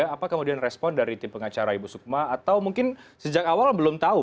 apa kemudian respon dari tim pengacara ibu sukma atau mungkin sejak awal belum tahu